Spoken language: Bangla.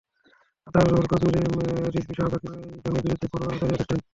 আদালত রুহুল কবির রিজভীসহ বাকি নয়জনের বিরুদ্ধে পরোয়ানা জারির আদেশ দেন।